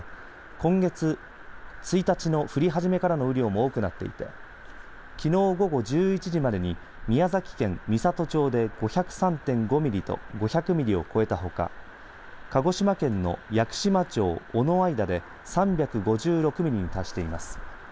今月１日の降り始めからの雨量も多くなっていてきのう午後１１時までに宮崎県美郷町で５０３．５ミリと５００ミリを超えたほか鹿児島県の屋久島町尾之間で３０５ミリに達しています。